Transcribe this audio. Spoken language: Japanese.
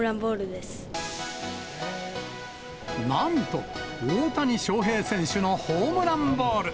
なんと、大谷翔平選手のホームランボール。